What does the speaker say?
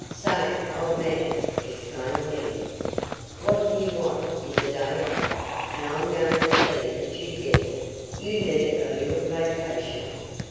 "Say, old man!" exclaimed Ned, "what you want is a day off, and I'm going to see that you get it. You need a little vacation."